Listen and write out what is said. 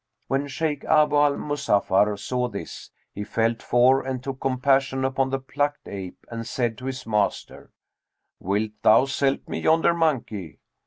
When Shaykh Abu al Muzaffar saw this, he felt for and took compassion upon the plucked ape and said to his master, 'Wilt thou sell me yonder monkey?'